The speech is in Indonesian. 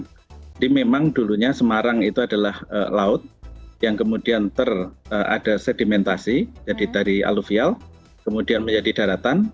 jadi memang dulunya semarang itu adalah laut yang kemudian ter ada sedimentasi jadi dari aluvial kemudian menjadi daratan